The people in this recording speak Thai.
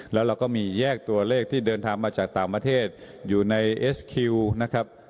แล้วเราก็มีแยกตัวเลขที่เดินทางมาจากต่างประเทศอยู่ในเอสคิวนะครับ